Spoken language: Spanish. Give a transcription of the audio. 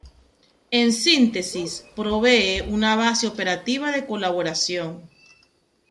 En síntesis, provee una base operativa de colaboración.